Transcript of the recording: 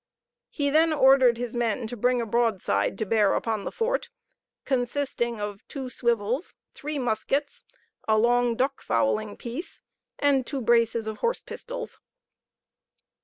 He then ordered his men to bring a broadside to bear upon the fort, consisting of two swivels, three muskets, a long duck fowling piece, and two braces of horse pistols.